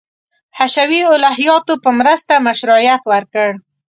حشوي الهیاتو په مرسته مشروعیت ورکړ.